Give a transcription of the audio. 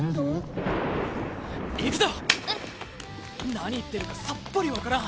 何言ってるかさっぱり分からん！